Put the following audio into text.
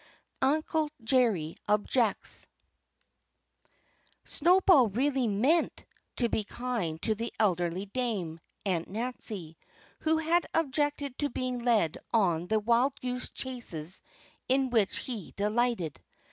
XV UNCLE JERRY OBJECTS Snowball really meant to be kind to the elderly dame, Aunt Nancy, who had objected to being led on the wild goose chases in which he delighted.